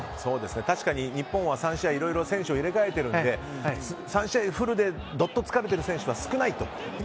確かに日本は３試合いろいろ選手を入れ替えているので３試合フルでどっと疲れてる選手は少ないと。